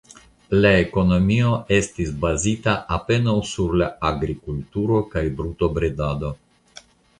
La ekonomio estis bazata apenaŭ sur la agrikulturo kaj brutobredado.